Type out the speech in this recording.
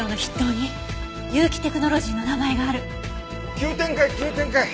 急展開急展開。